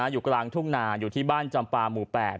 อยู่กลางทุ่งนาอยู่ที่บ้านจำปาหมู่๘